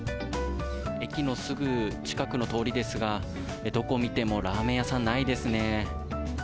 駅のすぐ近くの通りですが、どこを見てもラーメン屋さん、ないですね。